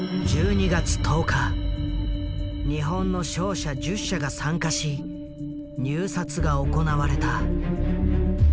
日本の商社１０社が参加し入札が行われた。